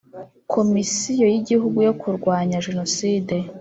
Komisiyo y Igihugu yo kurwanya Jenoside